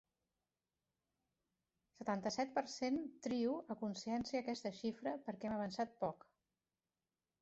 Setanta-set per cent Trio a consciència aquesta xifra perquè hem avançat poc.